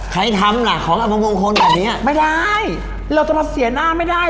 ใครทำหลักของอาประมวงคนแบบเนี้ยไม่ได้เราจะเกิดเสียหน้าไม่ได้